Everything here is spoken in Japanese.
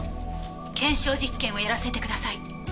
検証実験をやらせてください。